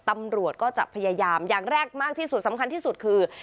ตำรวจก็จะพยายามอย่างแรกมากที่สุดสำคัญที่สุดคือ